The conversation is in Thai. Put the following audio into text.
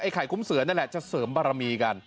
ไข่คุ้มเสือนั่นแหละจะเสริมบารมีกัน